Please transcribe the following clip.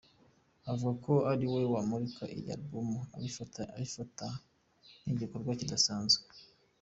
Avuga ko kuri we kumurika iyi album abifata nk’igikorwa kidasanzwe.